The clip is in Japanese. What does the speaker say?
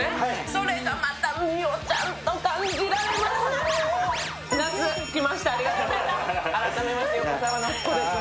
それがまた海をちゃんと感じられます。